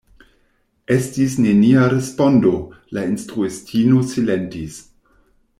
Estis nenia respondo, la instruistino silentis.